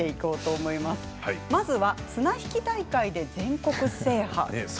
まずは綱引き大会で全国制覇です。